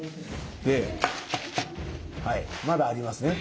ではいまだありますね。